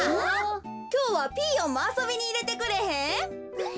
きょうはピーヨンもあそびにいれてくれへん？